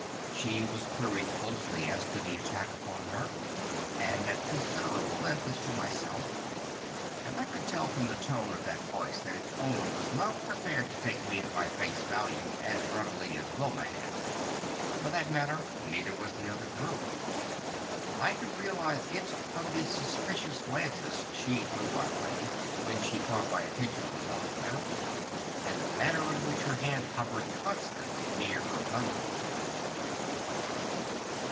She was queried closely as to the attack upon her, and at considerable length as to myself, and I could tell from the tone of that voice that its owner was not prepared to take me at my face value as readily as Wilma had. For that matter, neither was the other girl. I could realize it from the suspicious glances she threw my way, when she thought my attention was elsewhere, and the manner in which her hand hovered constantly near her gun holster.